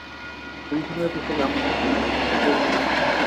কমিশনারের পোশাকে আমাকে কি তোমার কোনো চোর মনে হচ্ছে?